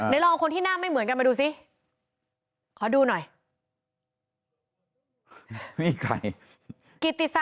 ไหนลองคนที่หน้าไม่เหมือนกันมาดูสิขอดูหน่อยนี่ใคร